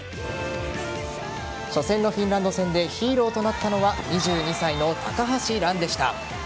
初戦のフィンランド戦でヒーローとなったのは２２歳の高橋藍でした。